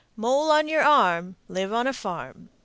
Mole on your arm, Live on a farm.